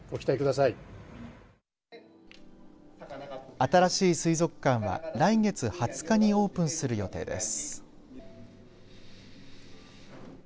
新しい水族館は来月２０日にオープンする予定です。